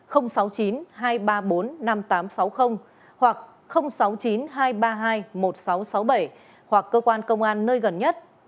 hoặc sáu mươi chín hai trăm ba mươi hai một nghìn sáu trăm sáu mươi bảy hoặc cơ quan công an nơi gần nhất